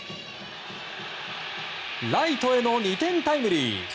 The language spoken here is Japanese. ライトへの２点タイムリー！